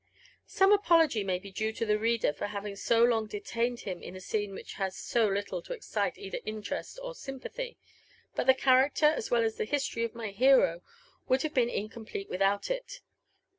Some apology may be due to the reader for having so long detained / bim in a scene which has so little to excite either interest or sympathy ;] but the character as well as the history of my hero would have been/ .' incomplete without it.